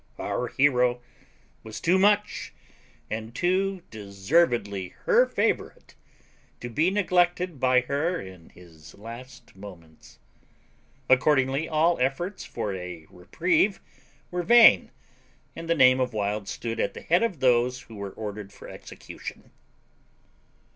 Our hero was too much and too deservedly her favourite to be neglected by her in his last moments; accordingly all efforts for a reprieve were vain, and the name of Wild stood at the head of those who were ordered for execution.